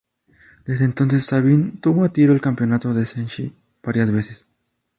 Desde entonces, Sabin tuvo a tiro el campeonato de Senshi varias veces.